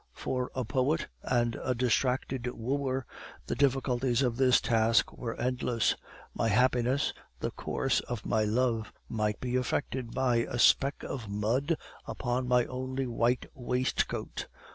For a poet and a distracted wooer the difficulties of this task were endless. My happiness, the course of my love, might be affected by a speck of mud upon my only white waistcoat!